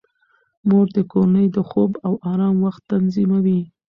مور د کورنۍ د خوب او آرام وخت تنظیموي.